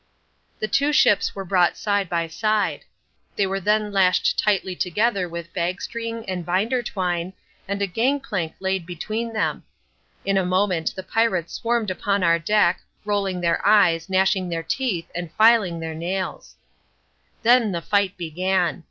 The two ships were brought side by side. They were then lashed tightly together with bag string and binder twine, and a gang plank laid between them. In a moment the pirates swarmed upon our deck, rolling their eyes, gnashing their teeth and filing their nails. Then the fight began.